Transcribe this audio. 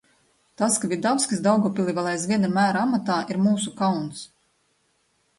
Tas, ka Vidavskis Daugavpilī vēl aizvien ir mēra amatā, ir mūsu kauns.